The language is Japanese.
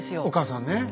お母さんね。